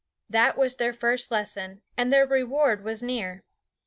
That was their first lesson, and their reward was near.